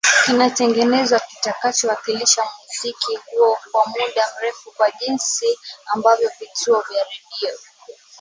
kinatengenezwa kitakacho wakilisha muziki huo kwa muda mrefu Kwa jinsi ambavyo vituo vya redio